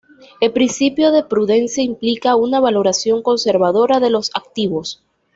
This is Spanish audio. El Principio de Prudencia implica una valoración conservadora de los activos.